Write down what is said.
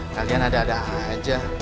kalian ada ada aja